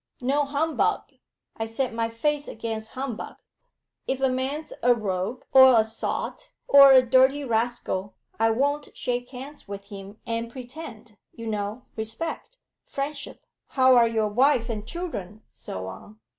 No humbug; I set my face against humbug. If a man's a rogue, or a sot, or a dirty rascal, I won't shake hands with him and pretend you know respect, friendship, how are your wife and children, so on.